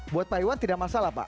buat pak iwan tidak masalah pak